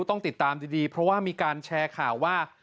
ต้องติดตามดีเพราะว่ามีการแชร์ข่าวว่า